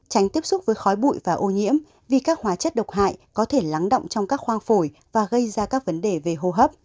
tránh tiếp xúc với khói bụi và ô nhiễm vì các hóa chất độc hại có thể lắng động trong các khoang phổi và gây ra các vấn đề về hô hấp